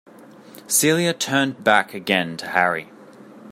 Celia turned back again to Harry.